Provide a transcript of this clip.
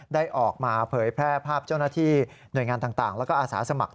ได้ออกมาเผยแพร่ภาพเจ้าหน้าที่หน่วยงานต่างแล้วก็อาสาสมัคร